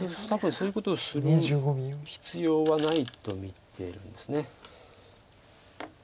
多分そういうことをする必要はないと見てるんです。